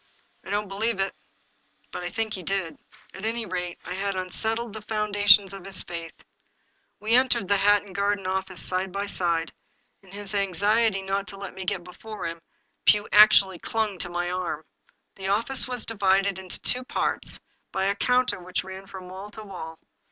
" I don't believe it." But I think he did; at any rate, I had unsettled the foundations of his faith. We entered the Hatton Garden office side by side; in his anxiety not to let me get before him, Pugh actually clung to my arm. The office was divided into two parts by a counter which ran from wall to wall.